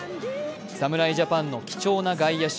侍ジャパンの貴重な外野手。